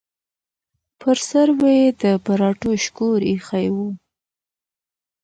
پر سر به یې د پراټو شکور ایښی و.